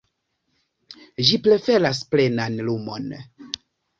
Ĝi preferas plenan lumon.